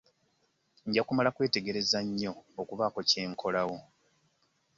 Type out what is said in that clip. Nja kumala kwetegereza nnyo okubaako kye nkolawo.